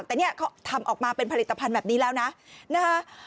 แต่เนี่ยเขาทำออกมาเป็นผลิตภัณฑ์แบบนี้แล้วนะนะฮะ